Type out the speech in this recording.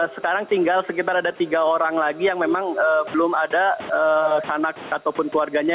sekarang tinggal sekitar ada tiga orang lagi yang memang belum ada sanak ataupun keluarganya